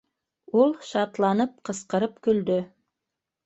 — Ул шатланып ҡысҡырып көлдө.